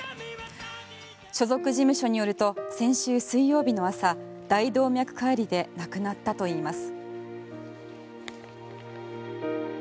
所属事務所によると先週水曜日の朝大動脈解離で亡くなったといいます。